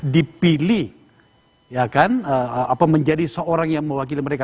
dipilih menjadi seorang yang mewakili mereka